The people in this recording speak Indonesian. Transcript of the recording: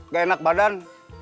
gak enak badan